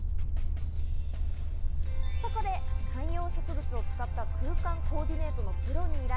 そこで観葉植物を使った空間コーディネートのプロに依頼。